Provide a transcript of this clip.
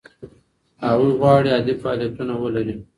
هغوی غواړي عادي فعالیتونه ولري.